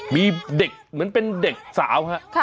มีเด็กเหมือนเป็นเด็กสาวฮะ